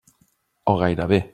O gairebé.